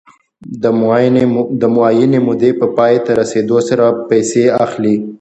د معینې مودې په پای ته رسېدو سره پیسې اخلي